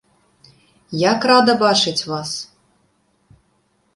Як рады бачыць вас!